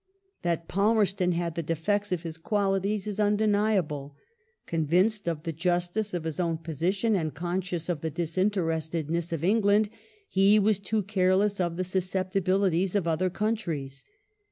That Palmei ston had the defects of his qualities is undeniable. Convinced of the justice of his own position, and conscious of the disinterestedness of England, he was too careless of the susceptibili ties of other countries.